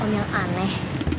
om yang aneh